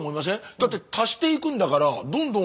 だって足していくんだからどんどん。